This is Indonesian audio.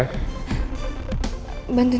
diat pergi dulu ya